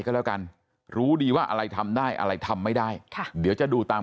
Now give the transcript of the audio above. ก็แล้วกันรู้ดีว่าอะไรทำได้อะไรทำไม่ได้ค่ะเดี๋ยวจะดูตาม